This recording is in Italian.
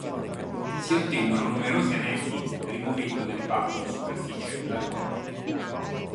Si ottengono numerosi anelli rimuovendo delle parti di superficie dal toro.